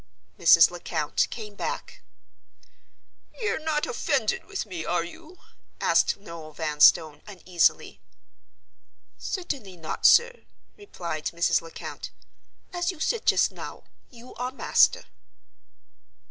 Mrs. Lecount came back. "You're not offended with me, are you?" asked Noel Vanstone, uneasily. "Certainly not, sir," replied Mrs. Lecount. "As you said just now—you are master."